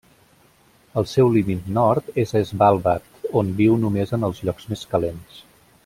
El seu límit nord és a Svalbard, on viu només en els llocs més calents.